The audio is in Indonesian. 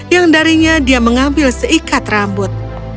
yang darinya dia mengambil seikat rambut